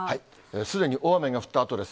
すでに大雨が降ったあとです。